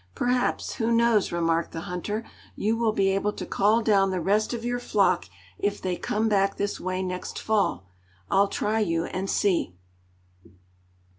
"Perhaps, who knows," remarked the hunter, "you will be able to call down the rest of your flock if they come back this way next fall. I'll try you and see."